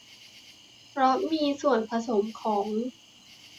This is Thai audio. เพราะมีส่วนผสมของ